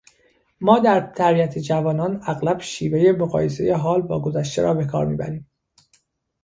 ما در تربیت جوانان اغلب شیوهٔ مقایسهٔ حال با گذشته را بکار میبریم.